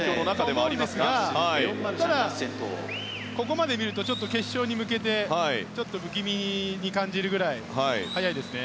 そう思いますがただ、ここまで見ると決勝に向けてちょっと不気味に感じるぐらい速いですね。